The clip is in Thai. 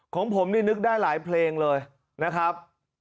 ของผมนี่นึกได้หลายเพลงเลยนะครับ